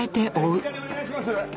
お静かにお願いします。